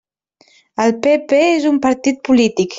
El PP és un partit polític.